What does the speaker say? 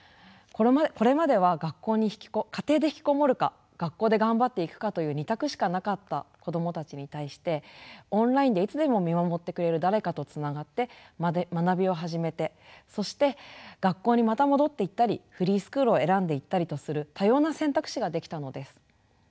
これまでは家庭で引きこもるか学校で頑張っていくかという２択しかなかった子どもたちに対してオンラインでいつでも見守ってくれる誰かとつながって学びを始めてそして学校にまた戻っていったりフリースクールを選んでいったりとする多様な選択肢が出来たのです。